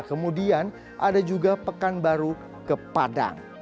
kemudian ada juga pekanbaru ke padang